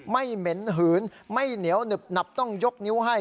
เหม็นหืนไม่เหนียวหนึบหนับต้องยกนิ้วให้